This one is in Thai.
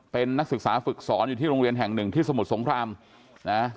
เป็นนักศึกษาฝึกสอนอยู่ที่โรงเรียนแห่งหนึ่งที่สมุทรสงครามนะ